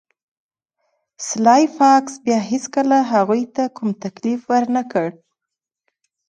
سلای فاکس بیا هیڅکله هغوی ته کوم تکلیف ورنکړ